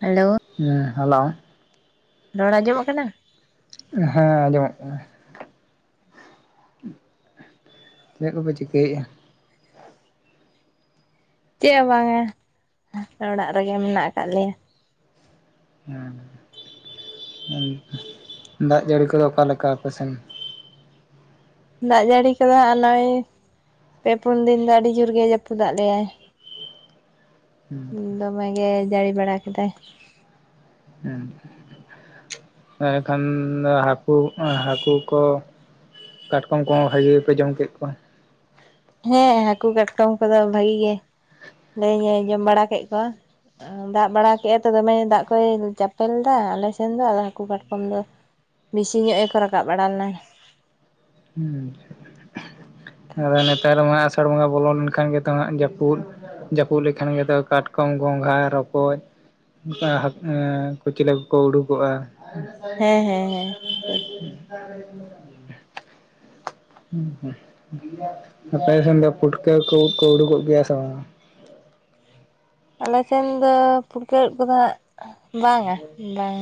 Hello ᱦᱮᱸ hello ᱨᱚᱲ ᱟᱸᱡᱚᱢᱚᱜ ᱠᱟᱱᱟ᱾ ᱦᱮᱸ ᱟᱸᱡᱚᱢᱚᱜ ᱠᱟᱱᱟ᱾ ᱪᱮᱜ ᱠᱚᱯᱮ ᱪᱤᱠᱟᱹᱭᱼᱟ ᱪᱮᱫ ᱦᱚ ᱵᱟᱝᱟ ᱚᱲᱟᱜ ᱨᱮᱜᱮ ᱢᱮᱱᱟᱜ ᱟᱠᱟᱫ ᱞᱮᱭᱟ ᱦᱮᱸ ᱫᱟᱜ ᱡᱟᱹᱲᱤ ᱠᱚᱫᱚ ᱚᱠᱟ ᱞᱮᱠᱟ ᱟᱯᱮ ᱥᱮᱱ ᱫᱟᱜ ᱡᱟᱹᱲᱤ ᱠᱚᱫᱚ [inaudible] ᱚᱭ ᱯᱮ ᱯᱩᱱ ᱫᱤᱱ ᱫᱚ ᱟᱹᱰᱤ ᱡᱳᱨᱜᱮ ᱡᱟᱹᱯᱩᱫᱟᱜ ᱞᱮᱭᱟᱭ ᱫᱚᱢᱮ ᱜᱮ ᱡᱟᱹᱲᱤ ᱵᱟᱲᱟ ᱠᱮᱫᱟᱭ ᱦᱮᱸ ᱮᱠᱷᱟᱱ ᱫᱚ ᱦᱟᱹᱠᱩ ᱦᱟᱹᱠᱩ ᱠᱚ ᱠᱟᱴᱠᱚᱢ ᱠᱚᱦᱚᱸ ᱵᱷᱟᱜᱮ ᱜᱮᱯᱮ ᱡᱚᱢ ᱠᱮᱫ ᱠᱚᱣᱟ ᱦᱮᱸ ᱦᱟᱹᱠᱩ ᱠᱟᱴᱠᱚᱢ ᱠᱚᱫᱚ ᱵᱷᱟᱹᱜᱤ ᱜᱮ ᱞᱮ ᱡᱚᱢ ᱵᱟᱲᱟ ᱠᱮᱫ ᱠᱚᱣᱟ᱾ ᱫᱟᱜ ᱵᱟᱲᱟ ᱠᱮᱜᱟᱭ ᱛᱚ ᱫᱚᱢᱮ ᱫᱟᱜ ᱠᱚᱭ ᱪᱟᱯᱮᱞ ᱮᱫᱟ ᱟᱞᱮ ᱥᱮᱱ ᱫᱚ ᱟᱫᱚ ᱦᱟᱹᱠᱩ ᱠᱟᱴᱠᱚᱢ ᱫᱚ ᱵᱤᱥᱤ ᱧᱚᱜ ᱮ ᱠᱚ ᱨᱟᱠᱟᱵ ᱵᱟᱲᱟ ᱞᱮᱱᱟ ᱦᱩᱸ ᱟᱫᱚ ᱱᱮᱛᱟᱨ ᱢᱟ ᱟᱥᱟᱲ ᱵᱚᱸᱜᱟ ᱵᱚᱞᱚ ᱞᱮᱱᱠᱷᱟᱱ ᱜᱮᱛᱚ ᱦᱟᱸᱜ ᱡᱟᱹᱯᱩᱫ ᱡᱟᱹᱯᱩᱫ ᱞᱮᱠᱷᱟᱱ ᱜᱮᱛᱚ ᱠᱟᱴᱠᱚᱢ ᱜᱚᱸᱜᱷᱟ ᱨᱚᱠᱚᱡ ᱠᱟ ᱠᱚᱪᱞᱟᱹ ᱠᱚᱠᱚ ᱩᱰᱩᱠᱚᱜᱼᱟ ᱦᱮᱸ ᱦᱮᱸ ᱦᱮᱸ ᱴᱷᱤᱠ [inaudible] ᱟᱯᱮ ᱥᱮᱱ ᱫᱚ ᱯᱩᱴᱠᱟᱹ ᱠᱚ ᱩᱫ ᱠᱚ ᱩᱰᱩᱠᱚᱜ ᱜᱮᱭᱟ ᱥᱮ ᱵᱟᱝ ᱟᱞᱮᱥᱱ ᱫᱚ ᱯᱩᱨᱠᱟᱹ ᱩᱫ ᱠᱚᱫᱚ ᱦᱟᱸᱜ ᱵᱟᱝᱼᱟ ᱵᱟᱝ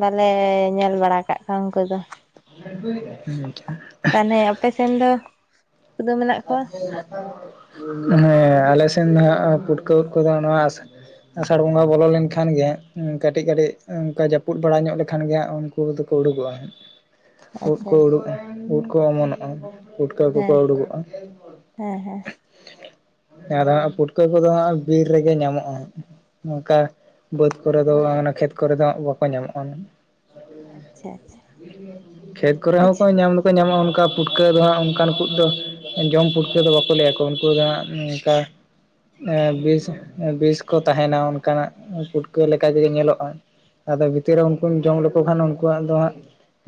ᱵᱟᱞᱮ ᱧᱮᱞ ᱵᱟᱲᱟ ᱠᱟᱜ [inaudible] ᱠᱚᱫᱚ [unintelligible] ᱢᱟᱱᱮ ᱟᱯᱮᱥᱱ ᱫᱚ ᱠᱚᱫᱚ ᱢᱮᱱᱟᱜ ᱠᱚᱣᱟ ᱦᱮᱸ ᱟᱞᱮ ᱥᱮᱱ ᱫᱚ ᱦᱟᱸᱜ ᱯᱩᱴᱠᱟᱹᱣ ᱠᱚᱫᱚ ᱱᱚᱣᱟ ᱟᱥᱟᱲ ᱵᱚᱸᱜᱟ ᱵᱚᱞᱚ ᱞᱮᱠᱷᱟᱱ ᱜᱮ ᱠᱟᱹᱴᱤᱡ ᱠᱟᱹᱴᱤᱡ ᱚᱱᱠᱟ ᱡᱟᱹᱯᱩᱫ ᱵᱟᱲᱟ ᱧᱚᱜ ᱞᱮᱠᱷᱟᱱ ᱜᱮ ᱩᱱᱠᱩ ᱫᱚᱠᱚ ᱩᱰᱩᱠᱚᱜᱼᱟ ᱦᱟᱸᱜ ᱩᱫ ᱟᱪᱪᱷᱟ ᱠᱚ ᱩᱰᱩᱠ ᱩᱫ ᱠᱚ ᱚᱢᱚᱱᱚᱜᱼᱟ ᱯᱩᱴᱠᱟᱹ ᱠᱚᱠᱚ ᱦᱮᱸ ᱩᱰᱩᱠᱚᱜᱼᱟ ᱦᱮᱸ ᱦᱮᱸ ᱟᱨᱫᱚ ᱦᱟᱜ ᱯᱩᱴᱠᱟᱹ ᱠᱚᱫᱚ ᱦᱟᱸᱜ ᱵᱤᱨ ᱨᱮᱜᱮ ᱧᱟᱢᱚᱜᱼᱟ ᱱᱚᱝᱠᱟ ᱵᱟᱹᱫᱽ ᱠᱚᱨᱮ ᱫᱚ ᱚᱱᱟ ᱠᱷᱮᱛ ᱠᱚᱨᱮ ᱫᱚ ᱦᱟᱸᱜ ᱵᱟᱠᱚ ᱧᱟᱢᱚᱜᱼᱟ ᱟᱪᱪᱷᱟ ᱟᱪᱪᱷᱟ ᱠᱷᱮᱛ ᱠᱚᱨᱮ ᱦᱚᱸᱠᱚ ᱟᱪᱪᱷᱟ ᱧᱟᱢ ᱞᱮᱠᱚ ᱧᱟᱢᱚᱜᱼᱟ ᱚᱱᱠᱟ ᱯᱩᱴᱠᱟᱹ ᱫᱚ ᱦᱟᱸᱜ ᱚᱱᱠᱟᱱ ᱠᱩ ᱫᱚ ᱡᱚᱢ ᱯᱩᱴᱠᱟᱹ ᱫᱚ ᱵᱟᱠᱚ ᱞᱟᱹᱭᱟᱠᱚ ᱩᱱᱠᱩ ᱫᱚ ᱦᱟᱸᱜ ᱱᱤᱠᱟ ᱮᱸ ᱵᱤᱥ ᱵᱤᱥ ᱠᱚ ᱛᱟᱦᱮᱸᱱᱟ ᱚᱱᱠᱟᱱᱟᱜ ᱯᱩᱴᱠᱟᱹ ᱞᱮᱠᱟ ᱜᱤ ᱧᱮᱞᱚᱜᱼᱟ᱾ ᱟᱫᱚ ᱵᱷᱤᱛᱤᱨ ᱨᱮ ᱩᱱᱠᱩᱢ ᱡᱚᱢ ᱞᱤᱠᱩ ᱠᱷᱟᱱ ᱩᱱᱠᱩᱣᱟᱜ ᱫᱚ ᱦᱟᱸᱜ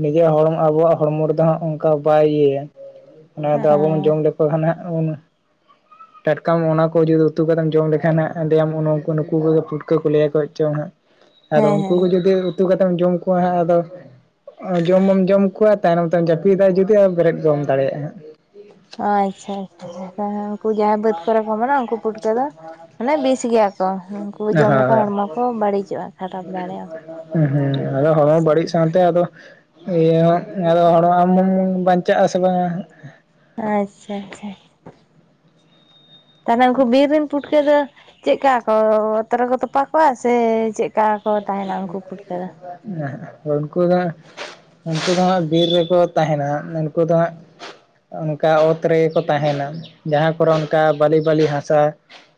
ᱱᱤᱡᱮᱨᱟᱜ ᱦᱚᱲ ᱟᱵᱚᱣᱟᱜ ᱦᱚᱲᱢᱚ ᱨᱮᱫᱚ ᱦᱟᱸᱜ ᱚᱝᱠᱟ ᱵᱟᱭ ᱤᱭᱟᱹᱭᱟ ᱚᱱᱟ ᱫᱚ ᱟᱵᱚ ᱦᱮᱸ ᱦᱮᱸᱜ ᱟᱵᱚᱱᱟ [unintelligible] [inaudible] ᱴᱟᱴᱠᱟ ᱟᱢ ᱚᱱᱟ ᱠᱚ ᱡᱩᱫᱤ ᱩᱛᱩ ᱠᱟᱛᱮᱢ ᱡᱚᱢ ᱞᱮᱠᱷᱟᱱ ᱦᱟᱸᱜ ᱟᱰᱤ ᱟᱢᱦᱚ ᱱᱩᱝᱠᱩ ᱱᱩᱠᱩ ᱠᱚᱜᱮ ᱯᱩᱴᱠᱟᱹ ᱠᱚ ᱞᱟᱹᱭᱟᱠᱚ ᱪᱚᱝ ᱦᱟᱸᱜ᱾ ᱟᱫᱚ ᱦᱮᱸ ᱩᱱᱠᱩ ᱜᱮ ᱦᱮᱸ ᱡᱩᱫᱤ ᱩᱛᱩ ᱠᱟᱛᱮᱢ ᱡᱚᱢ ᱠᱚᱣᱟ ᱦᱟᱸᱜ ᱟᱫᱚ ᱡᱚᱢ, ᱢᱟᱢ ᱡᱚᱢ ᱠᱚᱣᱟ ᱛᱟᱭᱱᱚᱢ ᱛᱮᱢ ᱡᱟᱹᱯᱤᱫᱟ ᱡᱩᱫᱤ ᱟᱨ ᱵᱮᱨᱮᱫ ᱜᱮ ᱵᱟᱢ ᱫᱟᱲᱮᱭᱟᱜᱼᱟ ᱦᱟᱸᱜ᱾ ᱟᱪᱪᱷᱟ ᱟᱪᱪᱷᱟ ᱪᱷᱟ ᱦᱮᱸ ᱩᱱᱠᱩ ᱡᱟᱦᱟᱸᱭ ᱵᱟᱹᱫᱽ ᱠᱚᱨᱮ ᱠᱚ ᱢᱮᱱᱟᱜ ᱩᱱᱠᱩ ᱯᱩᱴᱠᱟᱹ ᱫᱚ ᱢᱟᱱᱮ ᱵᱤᱥ ᱜᱮᱭᱟ ᱠᱚ ᱩᱱᱠᱩ ᱦᱟᱸᱜ ᱡᱚᱢ ᱞᱮᱠᱷᱟᱱ ᱦᱳᱭ ᱦᱚᱲᱢᱚ ᱠᱚ ᱵᱟᱹᱲᱤᱪᱚᱜᱼᱟ ᱠᱷᱟᱨᱟᱯ ᱫᱟᱲᱮᱭᱟᱜᱼᱟ᱾ ᱦᱩᱸ ᱦᱩᱸ, ᱟᱫᱚ ᱦᱚᱲᱢᱚ ᱟᱪᱪᱷᱟ ᱵᱟᱹᱲᱤᱡ ᱥᱟᱶᱛᱮ ᱟᱫᱚ ᱤᱭᱟᱹ ᱟᱫᱚ ᱦᱚᱲ ᱦᱚ ᱟᱢᱚᱢ ᱵᱟᱧᱪᱟᱜ ᱟ ᱥᱮ ᱵᱟᱝᱟ ᱦᱟᱸᱜ? ᱟᱪᱪᱷᱟ ᱟᱪᱪᱷᱟ᱾ ᱛᱟᱦᱚᱞᱮ ᱩᱱᱠᱩ ᱵᱤᱨ ᱨᱮᱱ ᱯᱩᱴᱠᱟᱹ ᱫᱚ ᱪᱮᱫ ᱠᱟ ᱠᱚ ᱚᱛ ᱨᱮᱠᱚ ᱛᱚᱯᱟ ᱠᱚᱣᱟ ᱥᱮ ᱪᱮᱫᱠᱟ? ᱠᱚ ᱛᱟᱦᱮᱸᱱᱟ ᱩᱱᱠᱩ ᱯᱩᱴᱠᱟᱹ ᱫᱚ᱾ ᱩᱱᱠᱩ ᱫᱚ ᱩᱱᱠᱩ ᱫᱚ ᱦᱟᱸᱜ ᱵᱤᱨ ᱨᱮᱠᱚ ᱛᱟᱦᱮᱸᱱᱟ ᱩᱱᱠᱩ ᱫᱚ ᱦᱟᱸᱜ ᱚᱱᱠᱟ ᱚᱛ ᱨᱮᱜᱮᱠᱚ ᱛᱟᱦᱮᱸᱱᱟ ᱡᱟᱦᱟᱸ ᱠᱚᱨᱮ ᱚᱱᱠᱟ ᱵᱟᱹᱞᱤ ᱵᱟᱹᱞᱤ ᱦᱟᱥᱟ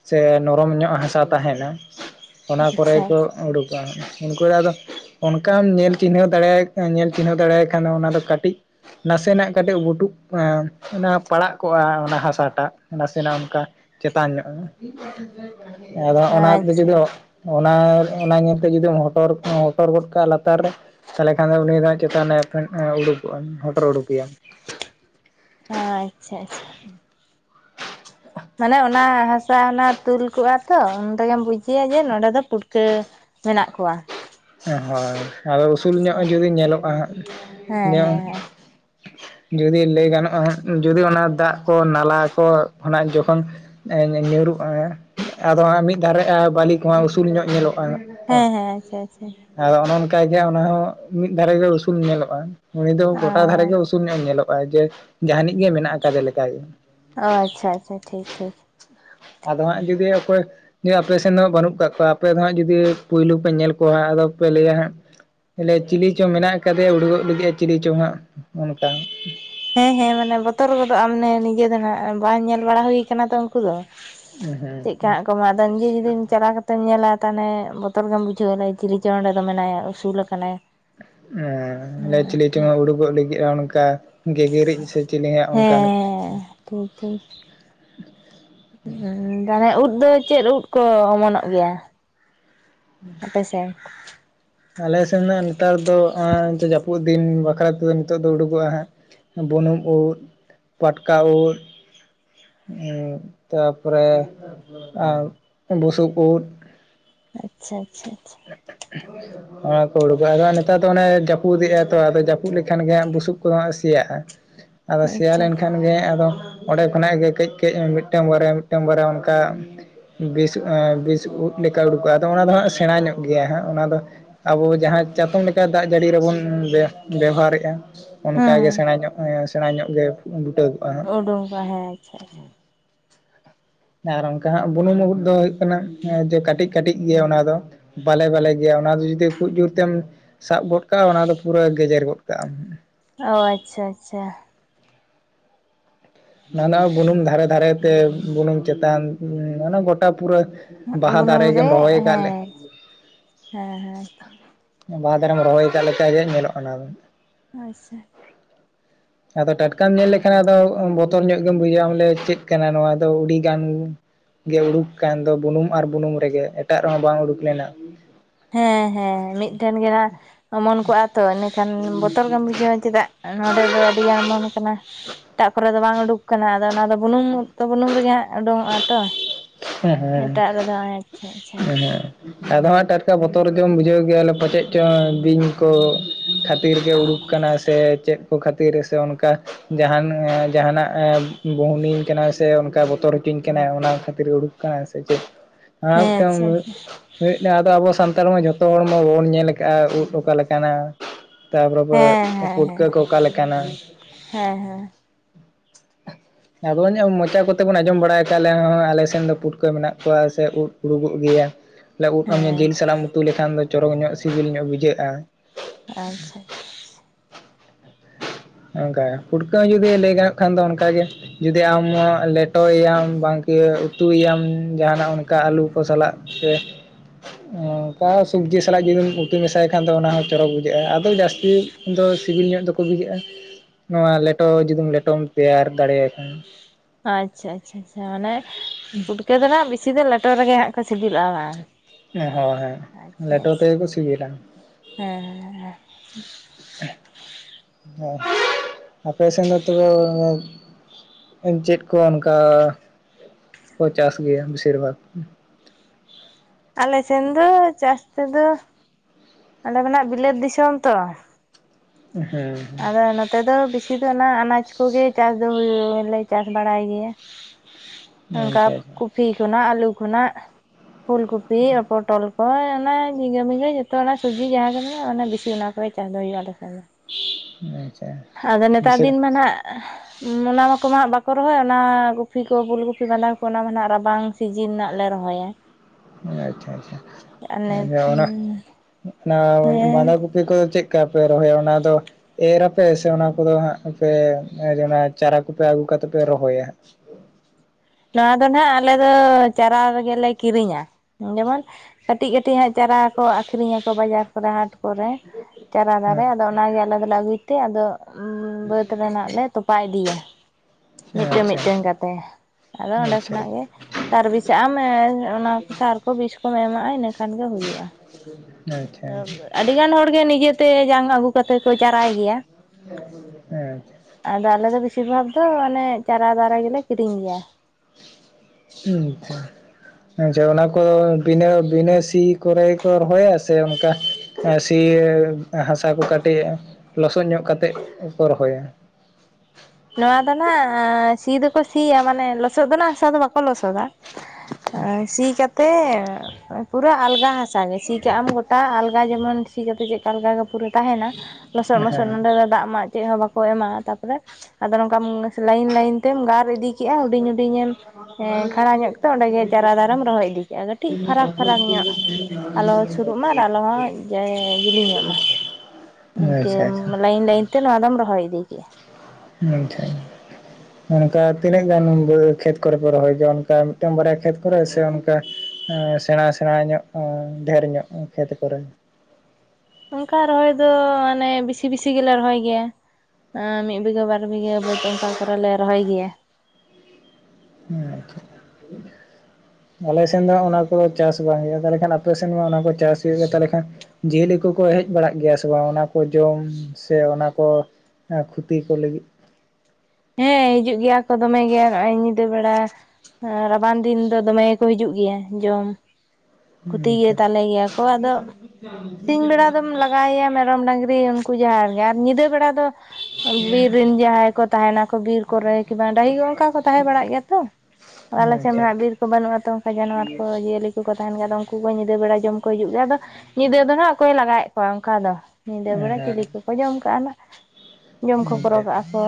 ᱥᱮ ᱱᱚᱨᱚᱢ ᱧᱚᱜ ᱦᱟᱥᱟ ᱛᱟᱦᱮᱸᱱᱟ, ᱚᱱᱟ ᱠᱚᱨᱮ ᱟᱪᱪᱷᱟ ᱜᱮᱠᱚ ᱩᱸᱰᱩᱠ ᱩᱱᱠᱩ ᱫᱚ ᱟᱫᱚ ᱚᱱᱠᱟᱢ ᱧᱮᱞ ᱪᱤᱱᱦᱟᱹᱣ ᱫᱟᱲᱮᱭᱟᱭ ᱧᱮᱞ ᱪᱤᱱᱦᱟᱹᱣ ᱫᱟᱲᱮᱭᱟᱭ ᱠᱷᱟᱱ ᱚᱱᱟ ᱫᱚ ᱠᱟᱹᱴᱤᱡ ᱱᱟᱥᱮᱱᱟᱜ ᱠᱟᱹᱴᱤᱡ ᱵᱩᱴᱩᱵ, ᱚᱱᱟ ᱯᱟᱲᱟᱜ ᱠᱚᱜᱼᱟ ᱚᱱᱟ ᱦᱟᱥᱟᱴᱟᱜ ᱱᱟᱥᱮᱱᱟᱜ ᱚᱱᱠᱟ ᱪᱮᱛᱟᱱ ᱧᱚᱜ ᱜᱮ, ᱟᱫᱚ ᱚᱱᱟ ᱟᱪᱪᱷᱟ ᱛᱤᱜᱤ ᱟᱪᱪᱷᱟ ᱛᱚ ᱚᱱᱟ ᱚᱱᱟ ᱧᱮᱞ ᱡᱩᱫᱤᱢ ᱦᱚᱴᱚᱨ ᱦᱚᱴᱚᱨ ᱜᱚᱫ ᱠᱟᱜᱼᱟ ᱞᱟᱛᱟᱨ ᱨᱮ᱾ ᱛᱟᱷᱞᱮ ᱠᱷᱟᱱ ᱫᱚ ᱩᱱᱤ ᱫᱚ ᱪᱮᱛᱟᱱᱮ ᱯᱷᱮᱱ ᱩᱰᱩᱠᱚᱜᱼᱟ ᱦᱚᱴᱚᱨ ᱩᱰᱩᱠᱮᱭᱟᱢ᱾ ᱟᱪᱪᱷᱟ ᱟᱪᱪᱷᱟ᱾ ᱢᱟᱱᱮ ᱚᱱᱟ ᱦᱟᱥᱟ ᱚᱱᱟ ᱛᱩᱞ ᱠᱚᱜᱼᱟ ᱛᱚ ᱚᱱᱰᱮᱜᱮᱢ ᱵᱩᱡᱤᱭᱟ ᱡᱮ ᱱᱚᱸᱰᱮ ᱫᱚ ᱯᱩᱴᱠᱟᱹ ᱢᱮᱱᱟᱜ ᱠᱚᱣᱟ᱾ ᱦᱳᱭ ᱟᱫᱚ ᱩᱥᱩᱞ ᱧᱚᱜ ᱡᱩᱫᱤ ᱧᱮᱞᱚᱜᱼᱟ ᱦᱟᱸᱜ, ᱦᱮᱸ ᱡᱮ ᱦᱮᱸ ᱡᱩᱫᱤ ᱞᱟᱹᱭ ᱜᱟᱱᱚᱜᱼᱟ ᱦᱟᱸᱜ ᱡᱩᱫᱤ ᱚᱱᱟ ᱫᱟᱜ ᱠᱚ ᱱᱟᱞᱟ ᱠᱚ ᱚᱱᱟ ᱡᱚᱠᱷᱚᱱ ᱧᱩᱨᱩᱜᱼᱟ ᱦᱮᱸ, ᱟᱫᱚ ᱦᱟᱸᱜ ᱢᱤᱫ ᱫᱷᱟᱨᱮ ᱟ ᱵᱟᱞᱤ ᱠᱚᱢᱟ ᱩᱥᱩᱞ ᱧᱚᱜ ᱧᱮᱞᱚᱜᱼᱟ ᱦᱟᱸᱜ᱾ ᱦᱮᱸ ᱦᱮᱸ ᱟᱪᱪᱷᱟ ᱟᱪᱪᱷᱟ᱾ ᱟᱫᱚ ᱚᱱᱮ ᱚᱱᱠᱟ ᱜᱮ ᱦᱟᱸᱜ ᱚᱱᱟ ᱦᱚᱸ ᱢᱤᱫ ᱫᱷᱟᱨᱮ ᱜᱮ ᱩᱥᱩᱞ ᱧᱮᱞᱚᱜᱼᱟ ᱩᱱᱤ ᱫᱚ ᱜᱚᱴᱟ ᱫᱷᱟᱨᱮ ᱟᱨ ᱜᱮ ᱩᱥᱩᱞ ᱧᱮ ᱧᱮᱞᱚᱜ ᱟᱭ ᱡᱮ ᱡᱟᱦᱟᱸ ᱱᱤᱡ ᱜᱮ ᱢᱮᱱᱟᱜ ᱟᱠᱟᱫᱮ ᱞᱮᱠᱟᱜᱮ᱾ ᱚ ᱟᱪᱪᱷᱟ ᱟᱪᱪᱷᱟ ᱴᱷᱤᱠ ᱴᱷᱤᱠ᱾ ᱟᱫᱚ ᱦᱟᱸᱜ ᱡᱩᱫᱤ ᱚᱠᱚᱭ ᱤᱭᱟᱹ ᱟᱯᱮ ᱥᱮᱱ ᱦᱚᱸ ᱵᱟᱹᱱᱩᱜ ᱠᱟᱜ ᱠᱚᱣᱟ ᱟᱯᱮ ᱫᱚ ᱦᱟᱸᱜ ᱡᱩᱫᱤ ᱯᱩᱭᱞᱩ ᱯᱮ ᱧᱮᱞ ᱠᱚᱣᱟ ᱦᱟᱸᱜ ᱟᱫᱚ ᱯᱮ ᱞᱟᱹᱭᱟ ᱦᱟᱸᱜ᱾ ᱮᱞᱮ ᱪᱤᱞᱤ ᱪᱚ ᱢᱮᱱᱟᱜ ᱟᱠᱟᱫᱮᱭᱟ ᱩᱰᱩᱠᱚᱜ ᱞᱟᱹᱜᱤᱫ ᱮ ᱪᱤᱞᱤ ᱪᱚᱝ ᱦᱟᱸᱜ ᱚᱱᱠᱟ ᱦᱮᱸ ᱦᱮᱸ ᱢᱟᱱᱮ ᱵᱚᱛᱚᱨ ᱜᱚᱫᱚᱜ ᱟᱢ ᱱᱮ ᱱᱤᱡᱮ ᱫᱚ ᱱᱟᱦᱟᱸᱜ ᱵᱟᱝ ᱧᱮᱞ ᱵᱟᱲᱟ ᱦᱩᱭ ᱟᱠᱟᱱᱟ ᱛᱚ ᱩᱱᱠᱩ ᱫᱚ ᱦᱮᱸ ᱪᱤᱫ ᱠᱟ ᱦᱟᱸᱜ ᱠᱚ ᱢᱟᱜ ᱫᱟᱜ ᱱᱤᱡᱮ ᱡᱩᱫᱤᱢ ᱪᱟᱞᱟᱣ ᱠᱟᱛ ᱛᱚᱢ ᱧᱮᱞᱟ ᱛᱷᱟᱱᱮ ᱵᱚᱛᱚᱨ ᱜᱮᱢ ᱵᱩᱡᱷᱟᱹᱣᱼᱟ ᱞᱟᱹᱭ ᱪᱤᱞᱤ ᱪᱚᱸ ᱚᱸᱰᱮ ᱫᱚ ᱢᱮᱱᱟᱭᱟ ᱩᱥᱩᱞ ᱟᱠᱟᱱᱟᱭ᱾ ᱚᱸ ᱞᱟᱹᱭ ᱪᱤᱞᱤ ᱪᱚᱝ ᱮ ᱩᱰᱩᱜᱚᱜ ᱞᱟᱹᱜᱤᱫᱼᱟ ᱚᱱᱠᱟ? ᱜᱮ ᱜᱮᱨᱤᱡ ᱥᱮ ᱪᱤᱞᱤ ᱦᱟᱸᱜ ᱚᱱᱠᱟᱱᱤᱡ? ᱛᱩ [inaudible] ᱩᱸ ᱫᱟᱨᱟᱭ ᱩᱫᱽ ᱫᱚ ᱪᱮᱫ ᱩᱫᱽ ᱠᱚ ᱚᱢᱚᱱᱚᱜ ᱜᱮᱭᱟ? ᱦᱮᱸ ᱥᱮ ᱟᱞᱮ ᱥᱮᱱᱟᱜ ᱱᱮᱛᱟᱨ ᱫᱚ ᱡᱟᱹᱯᱩᱫ ᱫᱤᱱ ᱵᱟᱠᱷᱨᱟ ᱛᱮᱫᱚ ᱱᱤᱛᱚᱜ ᱫᱚ ᱩᱰᱩᱠᱚᱜᱼᱟ ᱦᱟᱸᱜ᱾ ᱵᱩᱱᱩᱢ ᱩᱫ ᱯᱟᱴᱠᱟ ᱩᱫ᱾ ᱦᱚᱸᱜ ᱛᱟᱨᱯᱚᱨᱮ ᱟᱨ ᱵᱩᱥᱩᱵ ᱩᱫ᱾ ᱟᱪᱪᱷᱟ ᱟᱪᱪᱷᱟ ᱟᱪᱪᱷᱟ [inaudible] ᱟᱫᱚ ᱦᱟᱸᱜ ᱱᱮᱛᱟᱨ ᱫᱚ ᱚᱱᱮ ᱡᱟᱹᱯᱩᱫ ᱫᱤᱭᱟ ᱛᱚ ᱟᱫᱚ ᱡᱟᱹᱯᱩᱫ ᱞᱮᱠᱷᱟᱱ ᱜᱮ ᱦᱟᱜ ᱵᱩᱥᱩᱵ ᱠᱚᱫᱚ ᱥᱮᱭᱟᱜ-ᱟ [inaudible] ᱟᱫᱚ ᱥᱮᱭᱟ ᱞᱮᱱ ᱠᱷᱟᱱ ᱜᱮ ᱟᱫᱚ ᱚᱸᱰᱮ ᱠᱷᱚᱱᱟᱜ ᱜᱮ ᱠᱟᱹᱡ ᱠᱟᱹᱡ ᱢᱤᱫᱴᱟᱝ ᱵᱟᱨᱭᱟ ᱢᱤᱫᱴᱮᱱ ᱵᱟᱨᱭᱟ ᱚᱱᱠᱟ- ᱵᱤᱥ ᱟᱸ ᱵᱤᱥ ᱩᱫ ᱞᱮᱠᱟ ᱩᱰᱩᱠᱚᱜ-ᱟ ᱟᱫᱚ ᱚᱱᱟ ᱫᱚ ᱦᱟᱸᱜ ᱥᱮᱬᱟ ᱧᱚᱜ ᱜᱮᱭᱟ ᱦᱟᱸᱜ ᱚᱱᱟ ᱫᱚ ᱟᱵᱚ ᱡᱟᱦᱟᱸ ᱪᱟᱛᱚᱢ ᱞᱮᱠᱟ ᱫᱟᱜ ᱡᱟᱹᱲᱤ ᱨᱮᱵᱚᱱ ᱵᱮᱣᱦᱟᱨᱮᱜ-ᱟ, ᱚᱱᱠᱟ ᱜᱮ ᱦᱮᱸ ᱥᱮᱬᱟ ᱧᱚᱜ ᱥᱮᱬᱟ ᱧᱚᱜ ᱜᱮ ᱵᱩᱴᱟᱹᱜᱚᱜᱼᱟ ᱦᱟᱸᱜ ᱩᱰᱩᱝᱜ-ᱟ ᱦᱮᱸ ᱟᱪᱪᱷᱟ ᱟᱪᱪᱷᱟ ᱟᱨ ᱚᱱᱠᱟ ᱦᱟᱸᱜ ᱵᱩᱱᱩᱢ ᱩᱫ ᱫᱚ ᱦᱟᱸᱜ ᱦᱩᱭᱩᱜ ᱠᱟᱱᱟ ᱡᱮ ᱠᱟᱹᱴᱤᱡ ᱠᱟᱹᱴᱤᱡ ᱜᱮᱭᱟ ᱚᱱᱟ ᱫᱚ, ᱵᱟᱞᱮ ᱵᱟᱞᱮ ᱜᱮᱭᱟ ᱚᱱᱟ ᱫᱚ ᱡᱩᱫᱤ ᱯᱩᱡ ᱡᱳᱨᱛᱮᱢ ᱥᱟᱵ ᱜᱚᱫ ᱠᱟᱜ-ᱟᱢ ᱚᱱᱟ ᱫᱚ ᱯᱩᱨᱟᱹ ᱜᱮᱡᱮᱨ ᱜᱚᱫ ᱠᱟᱜ-ᱟᱢ ᱚ ᱟᱪᱪᱷᱟ ᱟᱪᱪᱷᱟ ᱱᱟᱱᱟ ᱵᱩᱱᱩᱢ ᱫᱷᱟᱨᱮ ᱫᱷᱟᱨᱮᱛᱮ ᱵᱩᱱᱩ ᱪᱮᱛᱟᱱ ᱢᱟᱱᱮ ᱜᱚᱴᱟ ᱯᱩᱨᱟ ᱵᱟᱦᱟ ᱵᱩᱞᱩᱝ ᱫᱟᱨᱮ ᱨᱮ ᱜᱮᱢ ᱨᱚᱦᱚᱭ ᱟᱠᱟᱫ ᱞᱮ ᱦᱮᱸ ᱦᱮᱸ ᱦᱮᱸ ᱵᱟᱦᱟ ᱫᱟᱨᱮᱢ ᱨᱚᱦᱚᱭ ᱟᱠᱟᱫ ᱞᱮᱠᱟ ᱜᱮ ᱧᱮᱞᱚᱜ ᱚᱱᱟ ᱫᱚ ᱟᱪᱪᱷᱟ [inaudible] ᱟᱫᱚ ᱴᱟᱴᱠᱟᱢ ᱧᱮᱞ ᱞᱮᱠᱷᱟᱱ ᱟᱫᱚ ᱵᱚᱛᱚᱨ ᱧᱚᱜ ᱜᱮᱢ ᱵᱩᱡᱷᱟᱹᱣᱟ ᱵᱚᱞᱮ ᱪᱮᱫ ᱠᱟᱱᱟ ᱱᱚᱣᱟ ᱫᱚ ᱳᱰᱤᱜᱟᱱ ᱜᱮ ᱩᱰᱩᱠ ᱟᱠᱟᱱ ᱫᱚ ᱵᱩᱱᱩᱢ ᱟᱨ ᱵᱩᱱᱩᱢ ᱨᱮᱜᱮ ᱮᱴᱟᱜ ᱨᱮᱦᱚᱸ ᱵᱟᱝ ᱩᱰᱩᱠ ᱞᱮᱱᱟ, ᱦᱮᱸ ᱦᱮᱸ ᱢᱤᱫᱴᱷᱮᱱ ᱜᱮ ᱦᱟᱸᱜ ᱚᱢᱚᱱ ᱠᱚᱜ-ᱟ ᱛᱚ ᱤᱱᱟᱹᱠᱷᱟᱱ ᱵᱚᱛᱚᱨ ᱜᱮᱢ ᱵᱩᱡᱷᱟᱹᱣᱟ ᱪᱮᱫᱟᱜ ᱱᱚᱰᱮ ᱫᱚ ᱟᱹᱰᱤ ᱜᱟᱱ ᱚᱢᱚᱱ ᱠᱟᱱᱟ ᱮᱴᱟᱜ ᱠᱚᱨᱮ ᱫᱚ ᱵᱟᱝ ᱩᱰᱩᱠ- ᱠᱟᱱᱟ ᱟᱫᱚ ᱚᱱᱟ ᱫᱚ ᱵᱩᱱᱩᱢ ᱩᱫ ᱵᱩᱱᱩᱢ ᱨᱮᱜᱮ ᱦᱟᱸᱜ ᱩᱰᱩᱠᱚᱜ-ᱟ ᱛᱚ ᱮᱴᱟᱜ ᱨᱮᱫᱚ ᱟᱪᱪᱷᱟ ᱟᱪᱪᱷᱟ ᱮ ᱦᱮᱸ ᱟᱫᱚ ᱦᱟᱸᱜ ᱴᱟᱴᱠᱟ ᱵᱚᱛᱚᱨ ᱜᱮᱢ ᱵᱩᱡᱷᱟᱹᱣ ᱜᱮᱭᱟᱞᱮ ᱯᱟᱪᱮᱪ ᱪᱚ ᱵᱤᱧ ᱠᱚ ᱠᱷᱟᱹᱛᱤᱨ ᱜᱮ ᱩᱰᱩᱠ ᱟᱠᱟᱱᱟ ᱥᱮ ᱪᱮᱫ ᱠᱚ ᱠᱷᱟᱹᱛᱤᱨ ᱥᱮ ᱩᱱᱠᱟ, ᱡᱟᱦᱟᱱ ᱡᱟᱦᱟᱱᱟᱜ ᱮ ᱵᱩᱦᱩᱱᱤᱧ ᱠᱟᱱᱟ ᱥᱮ ᱚᱱᱠᱟ ᱵᱚᱛᱚᱨ ᱦᱚᱪᱚᱧ ᱠᱟᱱᱟ ᱚᱱᱟ ᱠᱷᱟᱹᱛᱤᱨ ᱦᱩᱲᱩᱯ? ᱠᱟᱱᱟ ᱥᱮ ᱪᱮᱫ [inaudible] ᱟᱨ ᱢᱤᱫᱴᱟᱝ ᱟᱪᱪᱷᱟ ᱟᱪᱪᱷᱟ [inaudible] ᱟᱫᱚ ᱟᱵᱚ ᱥᱟᱱᱛᱟᱲ ᱢᱟ ᱡᱷᱚᱛᱚ ᱦᱚᱲ ᱢᱟᱵᱚᱱ ᱧᱮᱞ ᱟᱠᱟᱜ-ᱟ ᱩᱫ ᱚᱠᱟ ᱞᱮ ᱠᱟᱱᱟ? ᱛᱟᱯᱚᱨᱮ ᱦᱮᱸ ᱦᱮᱸ ᱯᱩᱴᱠᱟᱹ ᱠᱚ ᱚᱠᱟ ᱞᱮᱠᱟᱱᱟ ᱦᱮᱸ ᱦᱮᱸ [inaudible] ᱟᱵᱚ ᱢᱚᱪᱟ ᱠᱚᱛᱮ ᱵᱚᱱ ᱟᱸᱡᱚᱢ ᱵᱟᱲᱟᱭ ᱟᱠᱟᱫ ᱟᱞᱮ ᱦᱚᱸ ᱟᱞᱮ ᱥᱮᱱ ᱫᱚ ᱯᱩᱴᱠᱟᱹ ᱢᱮᱱᱟᱜ ᱠᱚᱣᱟ ᱥᱮ ᱩᱫ ᱩᱰᱩᱠᱚᱜ ᱜᱮᱭᱟ, ᱩᱫ ᱦᱮᱸ ᱟᱢ ᱡᱤᱞ ᱦᱮᱸ ᱥᱟᱞᱟᱜ ᱮᱢ ᱩᱛᱩ ᱞᱮᱠᱷᱟᱱ ᱫᱚ ᱪᱚᱨᱚᱠ ᱧᱚᱜ ᱥᱤᱵᱤᱞ ᱧᱚᱜ ᱵᱷᱩᱡᱷᱟᱹᱜ-ᱟ᱾ ᱟᱪᱪᱷᱟ ᱚᱱᱠᱟ ᱯᱷᱩᱴᱠᱟᱹ ᱦᱚᱸ ᱡᱩᱫᱤ ᱞᱟᱹᱭ ᱜᱟᱱᱚᱜ ᱠᱷᱟᱱ ᱫᱚ ᱚᱱᱠᱟ ᱜᱮ, ᱡᱩᱫᱤ ᱟᱢ ᱞᱮᱴᱚᱭᱟᱢ ᱵᱟᱝᱠᱤ ᱩᱛᱩᱭᱟᱢ ᱡᱟᱦᱟᱱᱟᱜ ᱚᱱᱠᱟ ᱟᱞᱩ ᱠᱚ ᱥᱟᱞᱟᱜ ᱥᱮ ᱚᱱᱠᱟ ᱥᱚᱵᱽᱡᱤ ᱥᱟᱞᱟᱜ ᱡᱩᱫᱤᱢ ᱩᱛᱩ ᱢᱮᱥᱟᱭ ᱠᱷᱟᱱ ᱫᱚ ᱚᱱᱟ ᱦᱚᱸ ᱪᱚᱨᱚᱠ ᱵᱩᱡᱷᱟᱹᱜ-ᱟ ᱟᱫᱚ ᱡᱟᱹᱥᱛᱤ ᱩᱱᱫᱚ ᱥᱤᱵᱤᱞ ᱧᱚᱜ ᱫᱚᱠᱚ ᱵᱩᱡᱷᱟᱹᱜ-ᱟ ᱱᱚᱣᱟ ᱞᱮᱴᱚ ᱡᱩᱫᱤᱢ ᱞᱮᱴᱚᱢ ᱛᱮᱭᱟᱨ ᱫᱟᱲᱮᱭᱟᱭ ᱠᱷᱟᱱ, ᱟᱪᱪᱷᱟ ᱟᱪᱪᱷᱟ ᱢᱟᱱᱮ ᱯᱩᱴᱠᱟᱹ ᱫᱚ ᱦᱟᱸᱜ ᱵᱮᱥᱤ ᱫᱚ ᱞᱮᱴᱚ ᱨᱮᱜᱮ ᱦᱟᱸᱜ ᱠᱚ ᱥᱤᱵᱤᱞᱚᱜ-ᱟ ᱦᱟᱸᱜ, ᱦᱮᱸ ᱦᱳ ᱦᱮᱸ ᱞᱮᱴᱚ ᱛᱮᱜᱮ ᱠᱚ ᱥᱤᱵᱤᱞᱟ, ᱦᱮᱸ ᱦᱮᱸ [inaudible] ᱟᱯᱮ ᱥᱮᱱ ᱫᱚ ᱛᱚᱵᱮ ᱪᱮᱫ ᱠᱚ ᱚᱱᱠᱟ ᱠᱚ ᱪᱟᱥ ᱜᱮᱭᱟ ᱵᱮᱥᱤᱨ ᱵᱷᱟᱜᱽ? ᱟᱞᱮ ᱥᱮᱱ ᱫᱚ ᱪᱟᱥ ᱛᱮᱫᱚ ᱟᱞᱮ ᱢᱟᱱᱟ ᱵᱤᱞᱟᱹᱛ ᱫᱤᱥᱚᱢ ᱛᱚ, ᱦᱮᱸ ᱟᱫᱚ ᱱᱚᱛᱮ ᱫᱚ ᱵᱮᱥᱤ ᱫᱚ ᱚᱱᱟ ᱟᱱᱟᱡᱽ ᱠᱚᱜᱮ ᱪᱟᱥ ᱫᱚᱞᱮ ᱪᱟᱥ ᱵᱟᱲᱟᱭ ᱜᱮᱭᱟ ᱦᱮᱸ ᱚᱱᱠᱟ ᱟᱪᱪᱷᱟ ᱟᱪᱪᱷᱟ [unintelligible] ᱠᱚᱯᱤ ᱠᱷᱚᱱᱟᱜ ᱟᱞᱩ ᱠᱷᱚᱱᱟᱜ ᱯᱷᱩᱞ ᱠᱚᱯᱤ ᱯᱚᱴᱚᱞ ᱦᱳᱭ ᱚᱱᱟ ᱡᱤᱸᱜᱟᱹ ᱢᱤᱸᱜᱷᱟᱹ ᱡᱚᱛᱚ ᱚᱱᱟ ᱥᱚᱵᱽᱡᱤ ᱡᱟᱦᱟᱸ ᱜᱮ ᱢᱮᱱᱟᱜ ᱵᱤᱥᱤ ᱚᱱᱟ ᱠᱚᱜᱮ ᱪᱟᱥ ᱫᱚ ᱦᱩᱭᱩᱜᱼᱟ ᱟᱞᱮᱥᱮᱫ ᱫᱚ [unintelligible] ᱟᱪᱷᱟ ᱟᱫᱚ ᱱᱮᱛᱟᱨ ᱫᱤᱱ ᱢᱟ ᱱᱟᱦᱟᱜ ᱚᱱᱟ ᱠᱚᱢᱟ ᱱᱟᱦᱟᱜ ᱵᱟᱠᱚ ᱨᱚᱦᱚᱭ ᱚᱱᱟ ᱜᱩᱯᱤ ᱠᱚ ᱯᱩᱞ ᱜᱩᱯᱤ ᱵᱟᱸᱫᱟᱷᱟᱠᱚ ᱚᱱᱟ ᱢᱟ ᱱᱟᱦᱟᱜ ᱨᱟᱵᱟᱝ ᱥᱤᱡᱤᱱ ᱨᱮᱱᱟᱜ ᱞᱮ ᱨᱚᱦᱚᱭᱟ [unintelligible] ᱟᱪᱪᱷᱟ ᱟᱪᱪᱷᱟ ᱟᱨ ᱱᱤᱛ [unintelligible] ᱚᱱᱟ ᱚᱱᱟ ᱵᱟᱸᱫᱟ ᱦᱮᱸ ᱠᱚ ᱠᱚᱫᱚ ᱪᱮᱫ ᱠᱟ ᱯᱮ ᱨᱚᱦᱚᱭᱟ ᱚᱱᱟ ᱫᱚ ᱮᱨ ᱟᱯᱮ ᱥᱮ ᱚᱱᱟ ᱠᱚᱫᱚ ᱦᱟᱸᱜ ᱯᱮ ᱪᱟᱨᱟ ᱠᱚᱯᱮ ᱟᱹᱜᱩ ᱠᱟᱛᱮ ᱯᱮ ᱨᱚᱦᱚᱭᱟ ᱱᱚᱣᱟ ᱫᱚ ᱱᱟᱦᱟᱜ ᱟᱞᱮ ᱫᱚ ᱪᱟᱨᱟ ᱨᱮᱜᱮ ᱞᱮ ᱠᱤᱨᱤᱧᱟ ᱡᱮᱢᱚᱱ ᱠᱟᱹᱴᱤᱡ ᱠᱟᱹᱴᱤᱡ ᱟᱸᱜ ᱪᱟᱨᱟ ᱠᱚ ᱟᱠᱷᱨᱤᱧᱟ ᱟᱠᱚ ᱵᱟᱡᱟᱨ ᱠᱚᱨᱮ ᱦᱟᱴ ᱠᱚᱨᱮ ᱠᱚᱨᱮ ᱪᱟᱨᱟ ᱫᱟᱨᱮ ᱦᱟᱸᱜ? ᱟᱫᱚ ᱚᱱᱟᱜᱮ ᱟᱞᱮ ᱫᱚᱞᱮ ᱟᱹᱜᱩᱭ ᱛᱮ ᱟᱫᱚ ᱵᱟᱹᱫᱽ ᱨᱮᱱᱟᱜ ᱞᱮ ᱛᱚᱯ [inaudible] ᱦᱮᱸ ᱢᱤᱫᱴᱟᱝ ᱟᱪᱪᱷᱟ ᱢᱤᱫᱴᱮᱱ ᱠᱟᱛᱮᱜ ᱟᱫᱚ ᱚᱸᱰᱮ ᱟᱪᱪᱷᱟ ᱠᱷᱚᱱᱟᱜ ᱜᱮ ᱥᱟᱨ ᱵᱤᱥ ᱟᱜ ᱟᱢ ᱚᱱᱟ ᱥᱟᱨ ᱠᱚ ᱵᱤᱥ ᱠᱚᱢ ᱮᱢᱟᱜᱼᱟ ᱤᱱᱟᱹ ᱠᱷᱟᱱ ᱜᱮ ᱦᱳᱭᱳᱜᱼᱟ [inaudible] ᱟᱫᱚ ᱟᱹᱰᱤᱜᱟᱱ ᱦᱚᱲᱜᱮ ᱱᱤᱡᱮᱛᱮ ᱡᱟᱝ ᱟᱹᱜᱩ ᱠᱟᱛᱮ ᱠᱚ ᱪᱟᱨᱟᱭ ᱜᱮᱭᱟ ᱦᱮᱸᱪᱷᱟ ᱟᱫᱚ ᱟᱞᱮ ᱫᱚ ᱵᱤᱥᱤᱨ ᱵᱷᱟᱜᱽ ᱫᱚ ᱚᱱᱮ ᱪᱟᱨᱟ ᱫᱟᱨᱮ ᱜᱮᱞᱮ ᱠᱤᱨᱤᱧ ᱜᱮᱭᱟ [unintelligible] ᱟᱪᱷᱟ ᱟᱪᱷᱟ ᱚᱱᱟ ᱠᱚ ᱵᱤᱱᱟ. ᱵᱤᱱᱟᱹ ᱥᱤ ᱠᱚᱨᱮ ᱠᱚ ᱨᱚᱦᱚᱭᱟ ᱥᱮ ᱚᱱᱠᱟ [unintelligible] ᱥᱤ ᱦᱟᱥᱟ ᱠᱚ ᱠᱟᱹᱴᱼᱟ ᱞᱚᱥᱚᱫ ᱧᱚᱜ ᱠᱟᱛᱮᱫ ᱠᱚ ᱨᱚᱦᱚᱭᱟ ᱱᱚᱣᱟ ᱫᱚ ᱱᱟᱜ ᱥᱤ ᱫᱚᱠᱚ ᱥᱤᱭᱟ ᱢᱟᱱᱮ ᱞᱚᱥᱚᱫ ᱫᱚ ᱦᱟᱥᱟ ᱫᱚ ᱵᱟᱠᱚ ᱞᱚᱥᱚᱫᱟ ᱥᱤ ᱠᱟᱛᱮᱜ ᱯᱩᱨᱟᱹ ᱟᱞᱜᱟ ᱦᱟᱥᱟ ᱜᱮ ᱥᱤ ᱠᱟᱜ ᱟᱢ ᱜᱚᱴᱟ ᱟᱞᱜᱟ ᱡᱮᱢᱚᱱ ᱥᱤ ᱠᱟᱜ ᱠᱟᱛᱮ ᱪᱮᱫ ᱟᱞᱜᱟ ᱜᱮ ᱯᱩᱨᱟᱹ ᱛᱟᱦᱮᱱᱟ ᱞᱚᱥᱚᱫ ᱢᱚᱥᱚᱫ ᱦᱮᱸ ᱱᱚᱸᱰᱮ ᱫᱚ ᱫᱟᱜ ᱢᱟᱜ ᱪᱮᱫ ᱦᱚᱸ ᱵᱟᱠᱚ ᱮᱢᱟᱜ ᱛᱟᱯᱚᱨᱮ ᱟᱫᱚ ᱱᱚᱝᱠᱟᱢ ᱞᱟᱭᱤᱱ ᱞᱟᱭᱤᱱ ᱛᱮᱢ ᱜᱟᱨ ᱤᱫᱤ ᱠᱮᱫᱼᱟ ᱦᱩᱰᱤᱧ ᱦᱩᱰᱤᱧ ᱮᱢ ᱠᱷᱟᱬᱟ ᱧᱚᱜ ᱠᱟᱛᱮ ᱚᱸᱰᱮ ᱜᱮ ᱪᱟᱨᱟ ᱫᱟᱨᱮᱢ ᱨᱚᱦᱚᱭ ᱤᱫᱤ ᱠᱮᱜᱼᱟ ᱠᱟᱹᱴᱤᱡ ᱯᱷᱟᱨᱟᱠ ᱯᱷᱟᱨᱟᱠ ᱧᱚᱜ ᱟᱞᱚ ᱥᱩᱨᱩᱜ ᱢᱟ ᱟᱨ ᱟᱞᱚ ᱦᱚᱸ ᱡᱤᱞᱤᱧᱚᱜ ᱢᱟ ᱤᱱᱠᱟᱹ ᱟᱪᱪᱷᱟ ᱟᱪᱪᱷᱟ ᱞᱟᱭᱤᱱ ᱞᱟᱭᱤᱱ ᱛᱮ ᱱᱚᱣᱟ ᱫᱚᱢ ᱨᱚᱦᱚᱭ ᱤᱫᱤ ᱠᱮᱜ ᱼᱟ [unintelligible] ᱟᱪᱷᱟ ᱚᱱᱠᱟ ᱛᱤᱱᱟᱹᱜ ᱜᱟᱱ [unintelligible] ᱠᱷᱮᱛ ᱠᱚᱨᱮ ᱯᱮ ᱨᱚᱦᱚᱭ ᱜᱮᱭᱟ ᱚᱱᱠᱟ ᱢᱤᱫᱴᱮᱱ ᱵᱟᱨᱭᱟ ᱠᱷᱮᱛ ᱠᱚᱨᱮ ᱥᱮ ᱚᱱᱠᱟ ᱥᱮᱬᱟ ᱥᱮᱬᱟ ᱧᱚᱜ ᱟᱸᱻ ᱰᱷᱮᱨ ᱧᱚᱜ ᱠᱷᱮᱛ ᱠᱚᱨᱮ ᱚᱱᱠᱟ ᱨᱚᱦᱚᱭ ᱫᱚ ᱢᱟᱱᱮ ᱵᱮᱥᱤ ᱵᱮᱥᱤ ᱜᱮᱞᱮ ᱨᱚᱦᱚᱭ ᱜᱮᱭᱟ ᱟᱸᱻ ᱢᱤᱫ ᱵᱤᱜᱷᱟᱹ ᱵᱟᱨ ᱵᱤᱜᱷᱟᱹ ᱵᱟᱹᱫᱽ ᱚᱱᱠᱟ ᱠᱚᱨᱮ ᱞᱮ ᱨᱚᱦᱚᱭ ᱜᱮᱭᱟ ᱦᱮᱸ ᱟᱪᱷᱟ [unintelligible] ᱟᱞᱮ ᱥᱮᱱ ᱫᱚ ᱚᱱᱟ ᱠᱚᱫᱚ ᱪᱟᱥ ᱵᱟᱝ ᱦᱩᱭᱩᱜᱼᱟ ᱛᱟᱦᱚᱞᱮ ᱠᱷᱟᱱ ᱟᱯᱮ ᱥᱮᱱ ᱢᱟ ᱚᱱᱟ ᱠᱚ ᱪᱟᱥ ᱦᱩᱭᱩᱜᱼᱟ ᱛᱟᱦᱚᱞᱮ ᱠᱷᱟᱱ ᱡᱤᱭᱟᱹᱞᱤ ᱠᱚᱠᱚ ᱦᱮᱡ ᱵᱟᱲᱟᱜ ᱜᱮᱭᱟ ᱥᱮ ᱵᱟᱝ ᱚᱱᱟ ᱠᱚ ᱡᱚᱢ ᱥᱮ ᱚᱱᱟ ᱠᱚ ᱟᱨ ᱠᱷᱩᱛᱤ ᱠᱚ ᱞᱟᱹᱜᱤᱫ ᱦᱮᱸ ᱦᱤᱡᱩᱜ ᱜᱮᱭᱟ ᱠᱚ ᱫᱚᱢᱮ ᱜᱮ ᱱᱚᱜᱼᱚᱭ ᱧᱤᱫᱟᱹ ᱵᱮᱲᱟ ᱦᱮᱸ ᱨᱟᱵᱟᱝ ᱫᱤᱱ ᱫᱚ ᱫᱚᱢᱮ ᱜᱮᱠᱚ ᱦᱤᱡᱩᱜ ᱜᱮᱭᱟ ᱡᱚᱢ, ᱠᱷᱚᱛᱤ ᱟᱪᱪᱷᱟ ᱜᱮᱛᱟ ᱞᱮ ᱜᱮᱭᱟ ᱠᱚ ᱟᱫᱚ ᱥᱤᱧ ᱵᱮᱲᱟ ᱫᱚᱢ ᱞᱟᱜᱟ ᱪᱟᱭᱮᱭᱟ ᱢᱮᱨᱚᱢ ᱰᱟᱝᱨᱤ ᱩᱱᱠᱩ ᱡᱟᱦᱟᱸ ᱜᱮ ᱟᱨ ᱧᱤᱫᱟᱹ ᱵᱮᱲᱟ ᱫᱚ ᱵᱤᱨ ᱨᱮᱱ ᱡᱟᱦᱟᱸᱭ ᱠᱚ ᱛᱟᱦᱮᱱᱟᱠᱚ ᱵᱤᱨ ᱠᱚᱨᱮ ᱠᱤ ᱵᱟᱝ ᱰᱟᱹᱦᱤ ᱚᱱᱠᱟ ᱠᱚ ᱛᱟᱦᱮᱸ ᱵᱟᱲᱟᱜ ᱜᱮᱭᱟ ᱛᱚ ᱟᱞᱮ ᱥᱮᱫ ᱢᱟ ᱟᱪᱪᱷᱟ ᱱᱟᱦᱟᱜ ᱵᱤᱨ ᱠᱚ ᱵᱟᱹᱱᱩᱜ ᱟ ᱛᱚ ᱚᱱᱠᱟ ᱡᱟᱱᱣᱟᱨ ᱠᱚ ᱡᱤᱭᱟᱹᱞᱤ ᱠᱚ ᱩᱱ ᱠᱚ ᱛᱟᱦᱮᱱ ᱜᱮ ᱟᱫᱚ ᱩᱱᱠᱩ ᱠᱚ ᱧᱤᱫᱟᱹ ᱵᱮᱲᱟ ᱡᱚᱢ ᱠᱚ ᱦᱤᱡᱩᱜ ᱜᱮᱭᱟ ᱟᱫᱚ ᱧᱤᱫᱟᱹ ᱫᱚ ᱦᱟᱜ ᱚᱠᱚᱭᱮ ᱞᱟᱜᱟᱭᱮᱫ ᱠᱚᱣᱟ ᱚᱱᱠᱟ ᱫᱚ ᱧᱤᱫᱟᱹ ᱵᱮᱲᱟ ᱪᱤᱞᱤ ᱦᱮᱸ ᱟᱪᱪᱷᱟ ᱠᱚᱠᱚ ᱡᱚᱢ ᱠᱟᱜᱼᱟ ᱱᱟᱦᱟᱜ ᱡᱚᱢ ᱠᱷᱚᱠᱨᱚ ᱟᱪᱪᱷᱟ ᱠᱟᱜ-ᱟ ᱠᱚ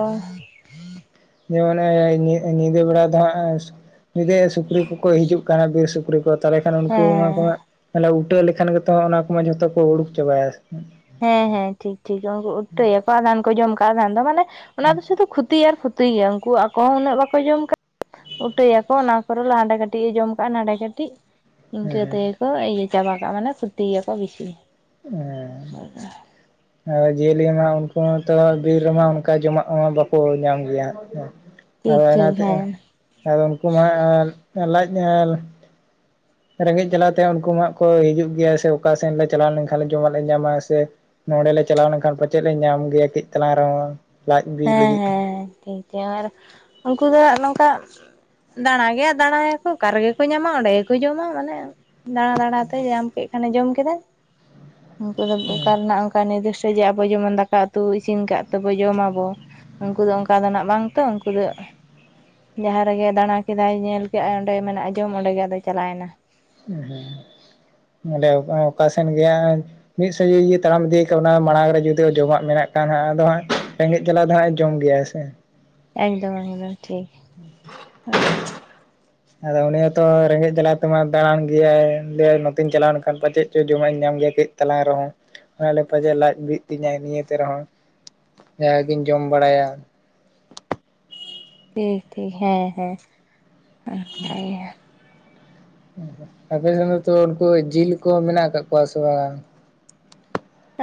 ᱡᱮᱢᱚᱱ ᱧᱤᱫᱟᱹ ᱵᱮᱲᱟ ᱫᱚ ᱦᱟᱸᱜ ᱮ ᱡᱮ ᱥᱩᱠᱨᱤ ᱠᱚᱠᱚ ᱦᱤᱡᱩᱜ ᱠᱟᱱᱟ ᱵᱤᱨ ᱥᱩᱠᱨᱤ ᱠᱚ ᱛᱟᱦᱚᱞᱮ ᱠᱷᱟᱱ ᱩᱱᱠᱩ ᱢᱟ ᱠᱚ ᱦᱮᱸ ᱦᱟᱜ ᱛᱟᱞᱦᱮ ᱩᱴᱟᱹ ᱞᱮᱠᱷᱟᱱ ᱜᱮᱛᱚ ᱚᱱᱟ ᱠᱚᱢᱟ ᱡᱷᱚᱛᱚ ᱠᱚ ᱩᱰᱩᱠ ᱪᱟᱵᱟᱭᱟ ᱦᱮᱸ ᱦᱮᱸ ᱴᱷᱤᱠ ᱴᱷᱤᱠ ᱩᱱᱠᱩ ᱩᱴᱟᱹᱭᱟᱠᱚ ᱟᱫᱟᱱ ᱠᱚ ᱡᱚᱢ ᱠᱟᱜᱼᱟ ᱠᱷᱟᱱ ᱫᱚ ᱢᱟᱱᱮ ᱚᱱᱟ ᱫᱚ ᱥᱩᱫᱷᱩ ᱠᱷᱚᱛᱤ ᱟᱨ ᱠᱷᱩᱼᱼᱼ ᱩᱛᱩᱭ ᱜᱮᱭᱟ ᱩᱝᱠᱩ ᱟᱠᱚ ᱦᱚᱸ ᱩᱱᱟᱹᱜ ᱵᱟᱠᱚ ᱡᱚᱢ ᱠᱟᱫ, ᱩᱴᱟᱹᱭᱟᱠᱚ ᱚᱱᱟ ᱠᱚᱨᱮ ᱞᱟᱸᱰᱮ ᱠᱟᱹᱴᱤᱡ ᱮ ᱡᱚᱢ ᱠᱟᱜᱼᱟ ᱱᱟᱸᱰᱮ ᱠᱟᱹᱴᱤᱡ, ᱦᱮᱸ ᱤᱱᱠᱟᱹ ᱛᱮᱜᱮᱠᱚ ᱤᱭᱟᱹ ᱪᱟᱵᱟ ᱠᱟᱜᱼᱟ ᱢᱟᱱᱮ ᱠᱷᱚᱛᱤ ᱭᱟᱠᱚ ᱵᱮᱥᱤ, ᱮᱸᱻ [unintelligible] ᱟᱨ ᱡᱤᱭᱟᱹᱞᱤ ᱢᱟ ᱩᱱᱠᱩ ᱦᱚᱛᱚ ᱵᱤᱨ ᱨᱮᱢᱟ ᱚᱱᱠᱟ ᱡᱚᱢᱟᱜ ᱢᱟ ᱵᱟᱠᱚ ᱧᱟᱢ ᱜᱮᱭᱟ ᱦᱟᱸᱜ, [inaudible] [unintelligible] ᱦᱮᱸ [unintelligible] ᱩᱱᱠᱩ ᱢᱟ ᱞᱟᱡ ᱧᱮᱞ ᱨᱮᱸᱜᱮᱡ ᱡᱟᱞᱟᱛᱮ ᱩᱱᱠᱩ ᱢᱟᱜ ᱠᱚ ᱦᱤᱡᱩᱜ ᱜᱮᱭᱟ ᱥᱮ ᱚᱠᱟ ᱥᱮᱱ ᱞᱮ ᱪᱟᱞᱟᱣ ᱞᱮᱱ ᱠᱷᱟᱱ ᱡᱚᱢᱟᱜ ᱞᱮ ᱧᱟᱢᱟ ᱥᱮ ᱱᱚᱸᱰᱮ ᱞᱮ ᱪᱟᱞᱟᱣ ᱞᱮᱱᱠᱷᱟᱱ ᱯᱟᱪᱮᱫ ᱞᱮ ᱧᱟᱢ ᱜᱮᱭᱟ ᱠᱟᱹᱡ ᱛᱟᱞᱟᱝ ᱨᱮᱦᱚᱸ ᱞᱟᱡ ᱵᱤ ᱦᱮᱸ ᱞᱟᱹᱜᱤᱫ ᱫᱚ, ᱦᱮᱸ ᱴᱷᱤᱠ ᱛᱮᱭᱟᱨ ᱩᱝᱠᱩ ᱫᱚ ᱱᱚᱝᱠᱟ ᱫᱟᱬᱟ ᱜᱮ ᱫᱟᱬᱟᱭᱟ ᱠᱚ ᱚᱠᱟ ᱨᱮᱜᱮ ᱠᱚ ᱧᱟᱢᱟ ᱚᱸᱰᱮ ᱜᱮᱠᱚ ᱡᱚᱢᱟ, ᱢᱟᱱᱮ ᱫᱟᱬᱟ ᱫᱟᱬᱟ ᱛᱮ ᱧᱟᱢ ᱠᱮᱫ ᱠᱷᱟᱱᱮ ᱡᱚᱢ ᱠᱮᱫᱟᱭ, ᱩᱱᱠᱩ ᱫᱚ ᱚᱠᱟ ᱨᱮᱱᱟᱜ ᱚᱱᱠᱟ ᱱᱤᱡᱟ. ᱨ ᱫᱤᱥᱴᱚ ᱡᱮ ᱟᱵᱚ ᱡᱮᱢᱚᱱ ᱫᱟᱠᱟ ᱩᱛᱩ ᱤᱥᱤᱱ ᱠᱟᱫ ᱛᱮᱵᱚ ᱡᱚᱢ ᱟᱵᱚ, ᱩᱱᱠᱩ ᱫᱚ ᱚᱱᱠᱟ ᱫᱚ ᱱᱟᱜ ᱵᱟᱝ ᱛᱚ ᱩᱱᱠᱩ ᱫᱚ ᱡᱟᱦᱟᱸ ᱨᱮᱜᱮ ᱫᱟᱬᱟ ᱠᱮᱫᱟᱭ ᱧᱮᱞ ᱠᱮᱜ-ᱟᱭ ᱚᱸᱰᱮ ᱜᱮ ᱢᱮᱱᱟᱜᱼᱟ ᱡᱚᱢ ᱚᱸᱰᱮ ᱜᱮ ᱟᱫᱚᱭ ᱪᱟᱞᱟᱣ ᱮᱱᱟ, ᱦᱮᱸ ᱧᱮᱞᱮᱭᱟᱢ ᱚᱠᱟ ᱥᱮᱱ ᱜᱮ ᱦᱟᱸᱜ ᱮ ᱢᱤᱫ ᱥᱚᱡᱷᱤᱭᱮ ᱛᱟᱲᱟᱢ ᱤᱫᱤᱭ ᱠᱟᱜ ᱚᱱᱟ ᱢᱟᱲᱟᱝ ᱨᱮ ᱡᱩᱫᱤ ᱡᱚᱢᱟᱜ ᱢᱮᱱᱟᱜ ᱠᱷᱟᱱ ᱟᱫᱚ ᱦᱟᱸᱜ ᱨᱮᱸᱜᱮᱡᱽ ᱡᱟᱞᱟ ᱫᱚ ᱦᱟᱸᱜ ᱮ ᱡᱚᱢ ᱜᱮᱭᱟᱭ ᱥᱮ, ᱮᱠᱫᱚᱢ ᱮᱠᱫᱚᱢ ᱴᱷᱤᱠ, [inaudible] ᱟᱫᱚ ᱩᱱᱤ ᱦᱚᱛᱚ ᱨᱮᱸᱜᱮᱡ ᱡᱟᱞᱟ ᱛᱚ ᱢᱟᱭ ᱫᱟᱬᱟᱱ ᱜᱮᱭᱟᱭ ᱞᱟᱹᱭ ᱟᱭ ᱱᱚᱛᱮᱧ ᱪᱟᱞᱟᱣ ᱞᱮᱱᱠᱷᱟᱱ ᱯᱟᱪᱮᱫ ᱪᱚ ᱡᱚᱢᱟᱜ ᱤᱧ ᱧᱟᱢ ᱜᱮᱭᱟ ᱠᱟᱹᱡ, ᱛᱟᱞᱟᱝ ᱨᱮᱦᱚᱸ ᱚᱱᱟ ᱞᱮᱠᱟ ᱜᱮ ᱞᱟᱡ ᱵᱤᱜ ᱛᱤᱧᱟᱹ ᱱᱤᱭᱟᱹᱛᱮ ᱨᱮᱦᱚᱸ, ᱫᱟᱭᱟ ᱜᱤᱧ ᱡᱚᱢ ᱵᱟᱲᱟᱭᱟ, ᱴᱷᱤᱠ ᱴᱷᱤᱠ ᱦᱮᱸ ᱦᱮᱸ [unintelligible] ᱟᱯᱮ ᱥᱮᱱ ᱫᱚ ᱛᱚ ᱩᱱᱠᱩ ᱡᱤᱭᱤ ᱠᱚ ᱢᱮᱱᱟᱜ ᱟᱠᱟᱜ ᱠᱚᱣᱟ ᱥᱮ ᱵᱟᱝ?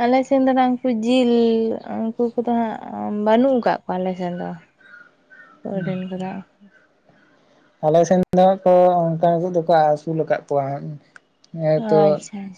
ᱟᱞᱮ ᱥᱮᱫ ᱫᱚ ᱵᱟᱝ ᱩᱝᱠᱩ ᱡᱤᱞ ᱩᱱᱠᱩ ᱠᱚᱫᱚ ᱦᱟᱸᱜ ᱵᱟᱹᱱᱩᱜ ᱟᱠᱟᱜ ᱠᱚᱣᱟ ᱟᱞᱮ ᱥᱮᱫ ᱫᱚ, ᱚᱰᱮᱱ ᱠᱟᱫᱟ, ᱟᱞᱮ ᱥᱮᱱ ᱫᱚ ᱠᱚ ᱚᱝᱠᱟ [unintelligible] ᱫᱚᱠᱚ ᱟᱹᱥᱩᱞ ᱟᱠᱟᱫ ᱠᱚᱣᱟ ᱦᱮᱸ ᱦᱮᱸᱛᱚ, ᱟᱪᱪᱷᱟ